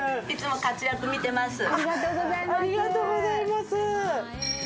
ありがとうございます。